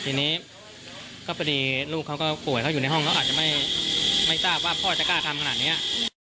ทีนี้ก็พอดีลูกเขาก็ป่วยเขาอยู่ในห้องเขาอาจจะไม่ทราบว่าพ่อจะกล้าทำขนาดนี้